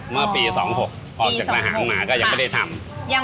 เมื่อปี๒๖ออกจากทหารมาก็ยังไม่ได้ทำ